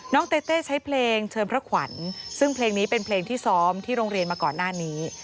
เต้เต้ใช้เพลงเชิญพระขวัญซึ่งเพลงนี้เป็นเพลงที่ซ้อมที่โรงเรียนมาก่อนหน้านี้